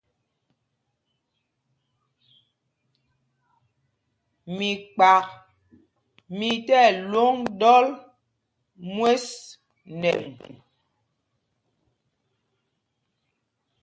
Mikpak mí tí ɛlwôŋ ɗɔl mwes nɛ pum.